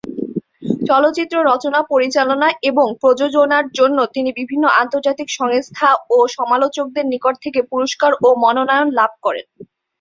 চলচ্চিত্র রচনা, পরিচালনা এবং প্রযোজনার জন্য তিনি বিভিন্ন আন্তর্জাতিক সংস্থা ও সমালোচকদের নিকট থেকে পুরস্কার ও মনোনয়ন লাভ করেন।